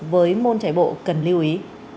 với môn chạy bộ cần lưu ý